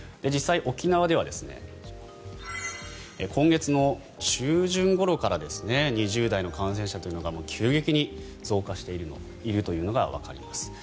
実際、沖縄では今月の中旬ごろから２０代の感染者というのが急激に増加しているのがわかります。